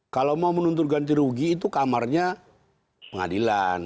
kalau mau menuntut ganti rugi itu kamarnya pengadilan